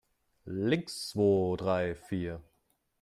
Links, zwo, drei, vier!